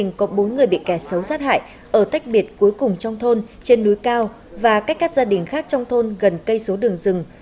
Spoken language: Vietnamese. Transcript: trong bốn người bị kẻ xấu sát hại ở tách biệt cuối cùng trong thôn trên núi cao và cách các gia đình khác trong thôn gần cây số đường rừng